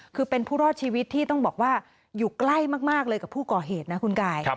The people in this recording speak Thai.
คือเป็นผู้รอดชีวิตที่ต้องบอกว่าอยู่ใกล้มากเลยกับผู้ก่อเหตุนะคุณกาย